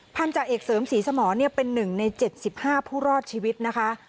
พันธาเอกเสริมสีสมอนี่เป็นหนึ่งนาย๗๕ผู้รอดชีวิตนะคะ